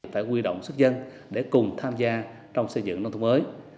phải quy động sức dân để cùng tham gia trong xây dựng nông thôn mới